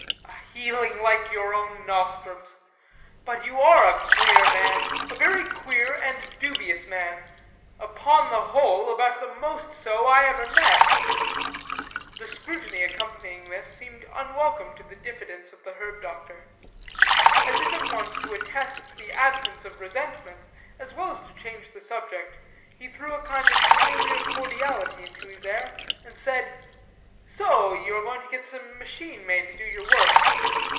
"A healing like your own nostrums. But you are a queer man a very queer and dubious man; upon the whole, about the most so I ever met." The scrutiny accompanying this seemed unwelcome to the diffidence of the herb doctor. As if at once to attest the absence of resentment, as well as to change the subject, he threw a kind of familiar cordiality into his air, and said: "So you are going to get some machine made to do your work?